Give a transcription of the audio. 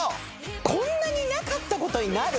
こんなになかった事になる？